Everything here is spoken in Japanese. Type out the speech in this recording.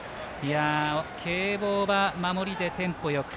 慶応は守りでテンポよく。